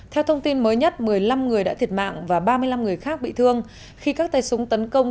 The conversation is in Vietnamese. theo thông tin mới nhất một mươi năm người đã thiệt mạng và ba mươi năm người khác bị thương khi các tay súng tấn công